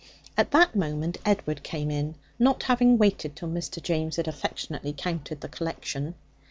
At that moment Edward came in, not having waited till Mr. James had affectionately counted the collection.